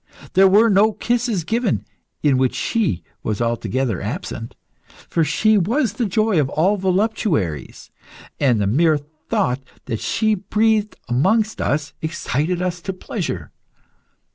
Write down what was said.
There were no kisses given in which she was altogether absent, for she was the joy of all voluptuaries, and the mere thought that she breathed amongst us excited us to pleasure."